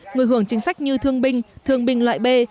người hưởng chính sách như thương binh thương binh loại b